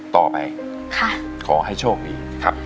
ต่อไปขอให้โชคดี